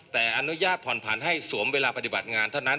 แต่อนุญาตผ่อนผันให้สวมเวลาปฏิบัติงานเท่านั้น